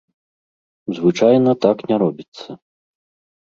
Звычайна так не робіцца.